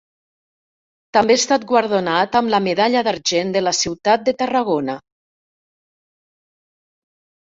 També ha estat guardonat amb la Medalla d'Argent de la ciutat de Tarragona.